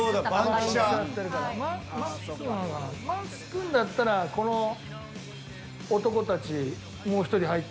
桝君なら桝君だったらこの男たちもう１人入っても。